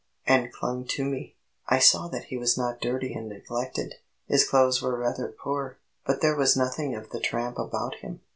and clung to me. I saw that he was not dirty and neglected; his clothes were rather poor, but there was nothing of the tramp about him.